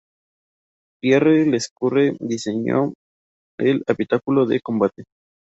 Pierre Lescure diseñó el habitáculo de combate.